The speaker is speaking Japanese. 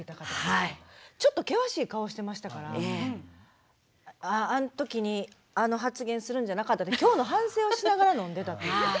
ちょっと険しい顔してましたからあの時にあの発言するんじゃなかったと今日の反省をしながら飲んでた。